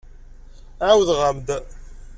Ɛawdeɣ-am-d.